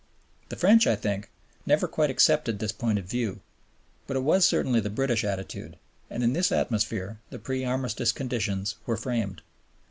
The French, I think, never quite accepted this point of view; but it was certainly the British attitude; and in this atmosphere the pre Armistice conditions were framed.